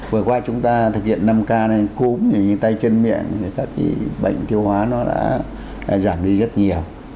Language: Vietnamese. vừa qua chúng ta thực hiện năm k này cúm tay chân miệng thì các cái bệnh tiêu hóa nó đã giảm đi rất nhiều